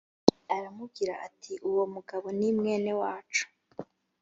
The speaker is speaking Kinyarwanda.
aramubwira ati uwo mugabo ni mwene wacu